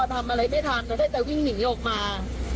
ทำอะไรไม่ทันก็ได้แต่วิ่งหนีออกมา